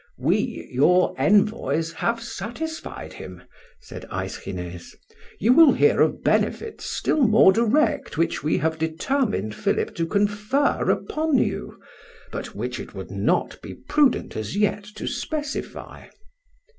"We, your envoys, have satisfied him," said Aeschines. "You will hear of benefits still more direct which we have determined Philip to confer upon you, but which it would not be prudent as yet to specify."